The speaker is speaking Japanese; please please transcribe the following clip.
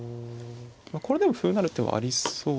これでも歩成る手はありそう。